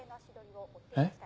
えっ？